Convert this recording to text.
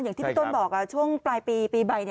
อย่างที่พี่ต้นบอกช่วงปลายปีใบ